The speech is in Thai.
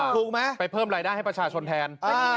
ถูกไหมไปเพิ่มรายได้ให้ประชาชนแทน